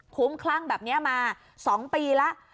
คุ้มคลั่งแบบนี้มา๒ปีแล้ว